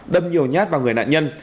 đâm nhiều nhát vào người nạn nhân